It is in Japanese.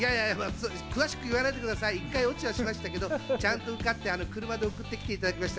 詳しく言わないでください、１回落ちはしましたけど、ちゃんと車で日テレさんまで送ってきていただきました。